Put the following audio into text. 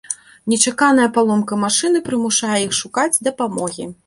Нечаканая паломка машыны прымушае іх шукаць дапамогі.